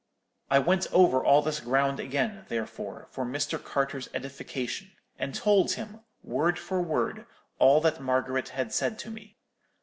I went over all this ground again, therefore, for Mr. Carter's edification, and told him, word for word, all that Margaret had said to me.